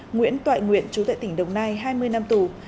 nguyễn toại nguyện chú tại tỉnh đồng nai hai mươi năm tù